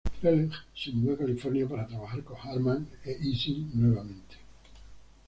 Freleng se mudó a California para trabajar con Harman e Ising nuevamente.